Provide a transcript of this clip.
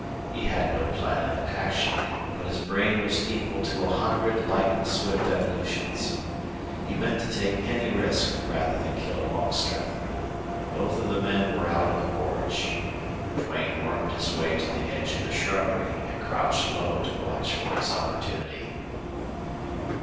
He had no plan of action, but his brain was equal to a hundred lightning swift evolutions. He meant to take any risk rather than kill Longstreth. Both of the men were out on the porch. Duane wormed his way to the edge of the shrubbery and crouched low to watch for his opportunity.